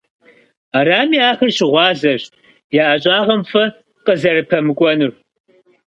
Арами, ахэр щыгъуазэщ я ӏэщӏагъэм фӏы къызэрыпэмыкӏуэнур.